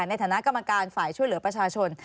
ในฐานะกรรมการฝ่ายช่วยเหลือประชาชน